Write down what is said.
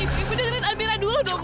bu ibu dengerin amira dulu dong